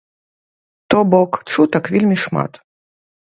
То бок чутак вельмі шмат.